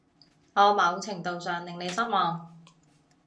我某程度上令你失望